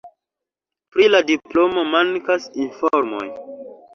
Pri la diplomo mankas informoj.